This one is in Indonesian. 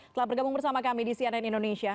telah bergabung bersama kami di cnn indonesia